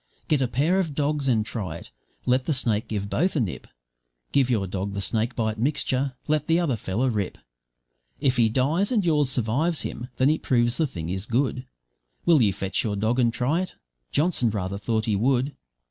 Get a pair of dogs and try it, let the snake give both a nip; Give your dog the snakebite mixture, let the other fellow rip; If he dies and yours survives him, then it proves the thing is good. Will you fetch your dog and try it?' Johnson rather thought he would.